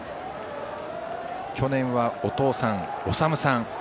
去年はお父さんの士さん。